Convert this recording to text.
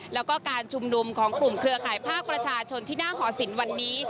แล้วก็การชุมนุมของกลุ่มเครือข่ายภาคประชาชนที่หน้าหอศิลป์วันนี้